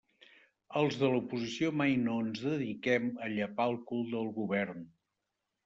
Els de l'oposició mai no ens dediquem a llepar el cul del Govern.